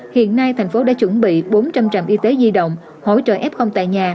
hiện nay thành phố đã chuẩn bị bốn trăm linh trạm y tế di động hỗ trợ f tại nhà